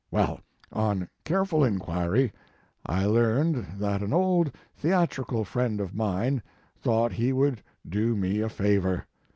"Well, on careful inquiry, I learned that an old theatrical friend of mine thought he would do me a favor.